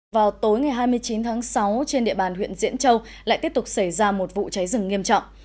vào tối ngày hai mươi chín tháng sáu trên địa bàn huyện diễn châu lại tiếp tục xảy ra một vụ cháy rừng nghiêm trọng